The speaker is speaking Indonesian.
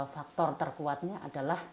faktor terkuatnya adalah